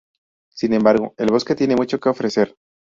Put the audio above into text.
Sin embargo, el bosque tiene mucho que ofrecer.